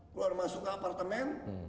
keluar masuk ke apartemen